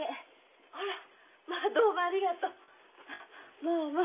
あらまあどうもありがとう。まあまあ。